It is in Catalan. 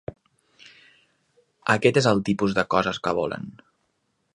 Aquest és el tipus de coses que volen.